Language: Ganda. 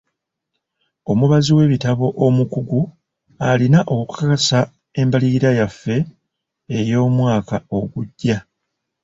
Omubazi w'ebitabo omukugu alina okukakasa embalirira yaffe ey'omwaka ogujja.